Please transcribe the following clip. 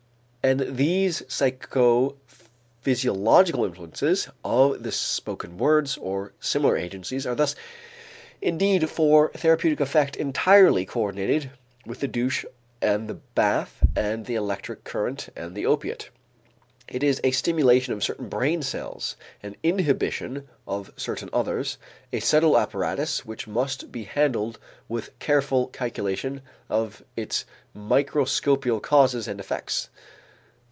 And these psychophysiological influences of the spoken words or similar agencies are thus indeed for therapeutic effect entirely coördinated with the douche and the bath and the electric current and the opiate. It is a stimulation of certain brain cells, an inhibition of certain others: a subtle apparatus which must be handled with careful calculation of its microscopical causes and effects.